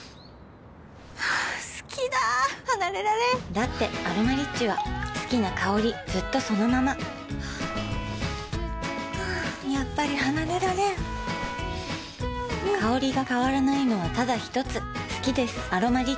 好きだ離れられんだって「アロマリッチ」は好きな香りずっとそのままやっぱり離れられん香りが変わらないのはただひとつ好きです「アロマリッチ」